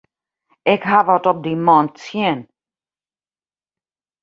Ik haw wat op dy man tsjin.